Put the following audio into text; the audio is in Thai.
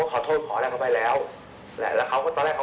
แล้วเขาตอนแรกเขาก็ไปหาเรื่องเพื่อนผมหาเรื่องผมอยู่นั่นแหละ